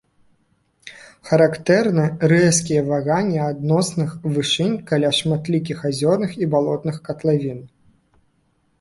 Характэрны рэзкія ваганні адносных вышынь каля шматлікіх азёрных і балотных катлавін.